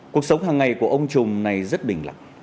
cuộc sống hàng ngày của ông trùm này rất bình lặng